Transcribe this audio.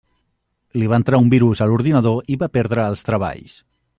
Li va entrar un virus a l'ordinador i va perdre els treballs.